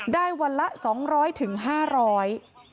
วันละ๒๐๐๕๐๐บาท